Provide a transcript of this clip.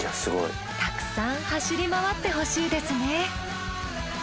たくさん走り回ってほしいですね。